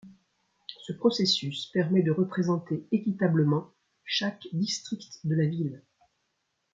Ce processus permet de représenter équitablement chaque district de la ville.